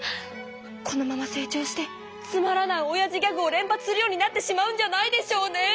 このまま成長してつまらないおやじギャグを連発するようになってしまうんじゃないでしょうね。